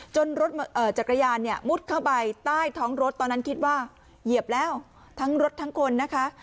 รถจักรยานเนี่ยมุดเข้าไปใต้ท้องรถตอนนั้นคิดว่าเหยียบแล้วทั้งรถทั้งคนนะคะ